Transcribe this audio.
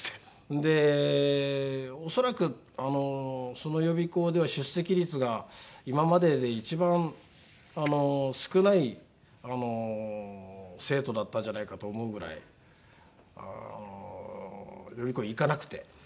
で恐らくその予備校では出席率が今までで一番少ない生徒だったんじゃないかと思うぐらいあの予備校行かなくて。